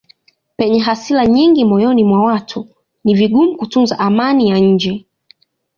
Penye hasira nyingi moyoni mwa watu ni vigumu kutunza amani ya nje.